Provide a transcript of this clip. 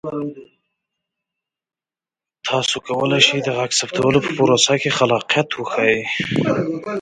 تاسو کولی شئ د غږ ثبتولو په پروسه کې خلاقیت وښایئ.